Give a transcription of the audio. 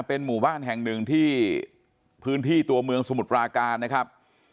เป็นหมู่บ้านแห่งหนึ่งที่พื้นที่ตัวเมืองสมุทรปราการนะครับ